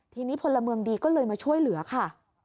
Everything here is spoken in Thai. ทีนี้พลเมืองดีก็เลยมาช่วยเหลือค่ะ